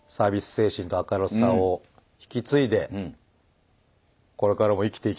精神と明るさを引き継いでこれからも生きていきたいと思いますね。